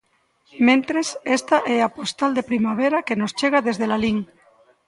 Mentres, esta é a postal de primavera que nos chega desde Lalín.